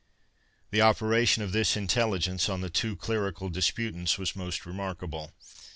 The operation of this intelligence on the two clerical disputants was more remarkable.